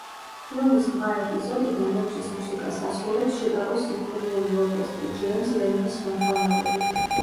ფილმის რვა ეპიზოდიდან ექვსის მუსიკას ასრულებს ჩიკაგოს სიმფონიური ორკესტრი, ჯეიმზ ლევინის ხელმძღვანელობით.